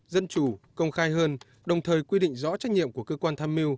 dân chủ công khai hơn đồng thời quy định rõ trách nhiệm của cơ quan tham mưu